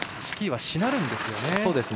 スキーは、しなるんですよね。